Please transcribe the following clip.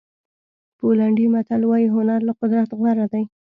پولنډي متل وایي هنر له قدرت غوره دی.